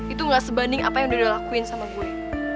itu gak sebanding apa yang udah dilakuin sama gue